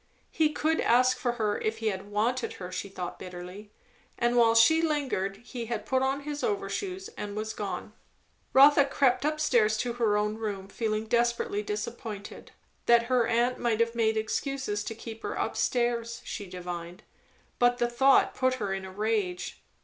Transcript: He could ask for her if he had wanted her, she thought bitterly; and while she lingered he had put on his overshoes and was gone. Rotha crept up stairs to her own room, feeling desperately disappointed. That her aunt might have made excuses to keep her up stairs, she divined; but the thought put her in a rage.